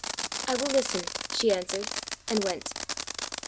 "I will listen," she answered, and went.